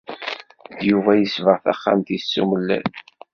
Yuba yesbeɣ taxxamt-is s umellal.